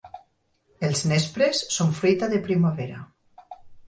Els nespres són fruita de primavera.